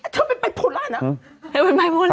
ช่วงไปโผล่ล่ะนะไปโผล่ล่ะ